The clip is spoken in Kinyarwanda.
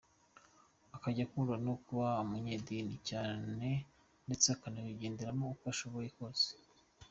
Ajya akunda no kuba umunyedini cyane ndetse akanabigenderamo uko ashoboye kose.